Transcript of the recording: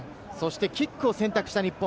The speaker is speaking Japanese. キックを選択した日本。